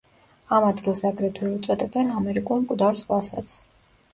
ამ ადგილს აგრეთვე უწოდებენ ამერიკულ „მკვდარ ზღვასაც“.